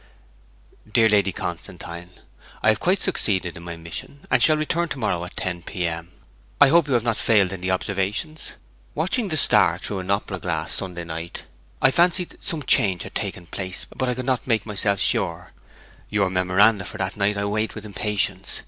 'DEAR LADY CONSTANTINE, I have quite succeeded in my mission, and shall return to morrow at 10 p.m. I hope you have not failed in the observations. Watching the star through an opera glass Sunday night, I fancied some change had taken place, but I could not make myself sure. Your memoranda for that night I await with impatience.